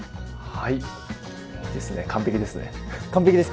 はい。